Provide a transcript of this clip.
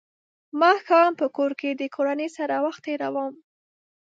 ماښام په کور کې د کورنۍ سره وخت تېروم.